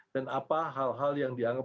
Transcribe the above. dan apa hal hal yang dianggap